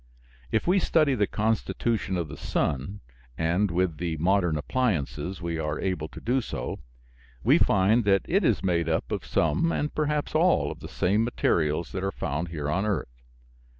If we study the constitution of the sun (and with the modern appliances we are able to do so), we find that it is made up of some and perhaps all of the same materials that are found here on earth.